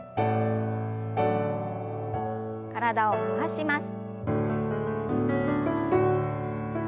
体を回します。